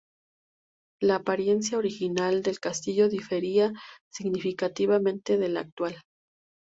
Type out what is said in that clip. La apariencia original del castillo difería significativamente de la actual.